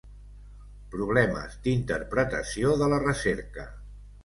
Problemes d'interpretació de la recerca.